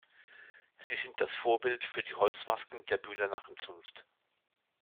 Sie sind das Vorbild für die Holzmasken der Bühler Narrenzunft.